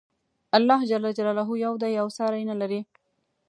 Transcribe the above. الله ج یو دی او ساری نه لري.